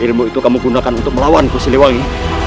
ilmu itu kamu gunakan untuk melawan ku siliwangi